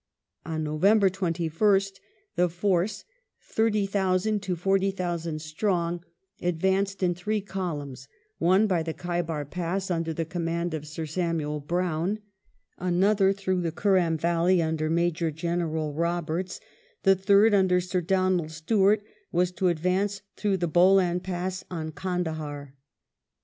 On November 21st the force, 30,000 to 40,000 strong, advanced in three columns : one by the Khdibar Pass, under the command of Sir Samuel Browne ; another through the Kuram Valley, under Major General Roberts ; the third, under Sir Donald Stewart, was to advance through the Bolan Pass on Kandahar.